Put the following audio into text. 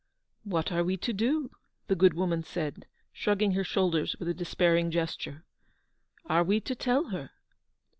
w What are we to do ?" the good woman said, shrugging her shoulders with a despairing gesture. "Are we to tell her